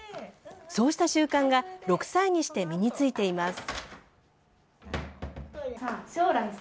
そうした習慣が６歳にして身についています。